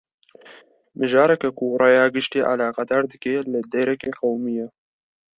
Mijareke ku raya giştî eleqedar dike, li derekê qewimiye